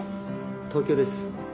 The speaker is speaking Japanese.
東京です。